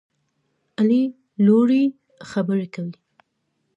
علي لوړې خبرې کوي.